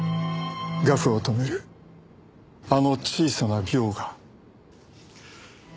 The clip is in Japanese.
画布を留めるあの小さな鋲が。